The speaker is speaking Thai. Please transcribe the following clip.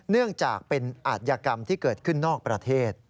เนื่องจากเป็นอาธิกรรมที่เกิดขึ้นนอกประเทศ